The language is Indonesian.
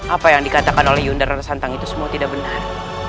apa yang dikatakan oleh yundar santang itu semua tidak benar